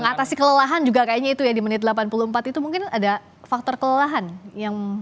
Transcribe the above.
mengatasi kelelahan juga kayaknya itu ya di menit delapan puluh empat itu mungkin ada faktor kelelahan yang